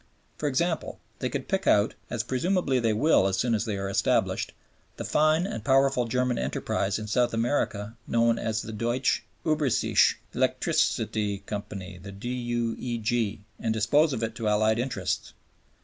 For example, they could pick out as presumably they will as soon as they are established the fine and powerful German enterprise in South America known as the Deutsche Ueberseeische Elektrizit‰tsgesellschaft (the D.U.E.G.), and dispose of it to Allied interests.